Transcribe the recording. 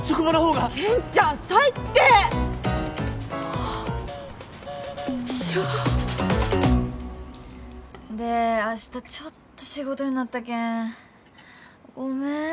はあいやで明日ちょっと仕事になったけんごめん